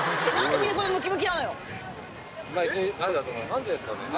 何でですかね。